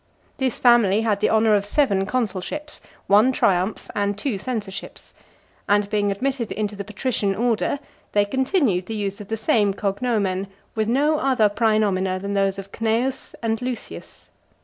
This family had the honour of seven consulships , one triumph , and two censorships ; and being admitted into the patrician order, they continued the use of the same cognomen, with no other praenomina than those of Cneius and Lucius.